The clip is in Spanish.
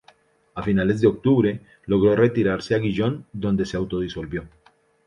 A finales de octubre logró retirarse a Gijón, donde se autodisolvió.